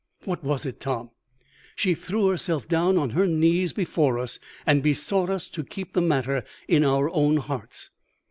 "What was it, Tom?" She threw herself down on her knees before us, and besought us to keep the matter in our own hearts.